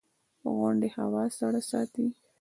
• غونډۍ هوا سړه ساتي.